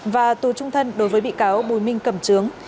và tù trung thân đối với bị cáo bùi minh cẩm trướng